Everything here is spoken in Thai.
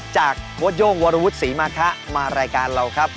จากโมโยงวรวุษรีมาคะฯมารายการเราครับ